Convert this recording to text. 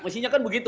mestinya kan begitu